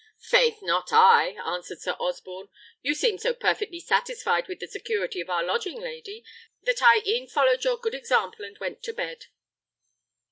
"Faith, not I!" answered Sir Osborne; "you seemed so perfectly satisfied with the security of our lodging, lady, that I e'en followed your good example and went to bed."